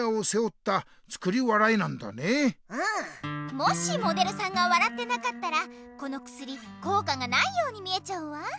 もしモデルさんが笑ってなかったらこのくすりこうかがないように見えちゃうわ。